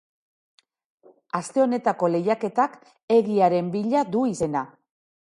Aste honetako lehiaketak egiaren bila du izena.